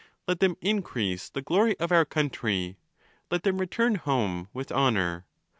Let them increase the glory of our country. Let them return home with honour.